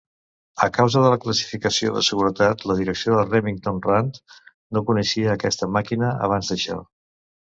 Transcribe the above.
A causa de la classificació de seguretat, la direcció de Remington Rand no coneixia aquesta màquina abans d'això.